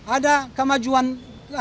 ada kemajuan pendidikan